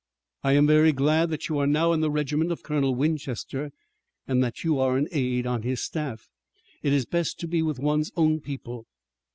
"I am very glad that you are now in the regiment of Colonel Winchester, and that you are an aide on his staff. It is best to be with one's own people.